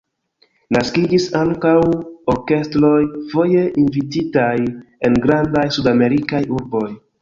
Naskiĝis ankaŭ orkestroj, foje invititaj en grandaj Sudamerikaj urboj.